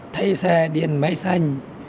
thấy xe điện máy xanh